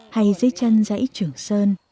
hay dây chân dãy trưởng sơn